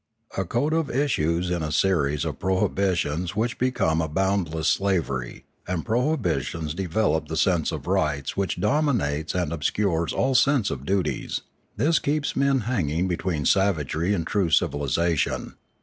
A code issues in a series of prohibitions which become a boundless slavery, and prohibitions develop the sense of rights which dominates and obscures all sense of duties; this keeps men hanging between savagery and true civilisation.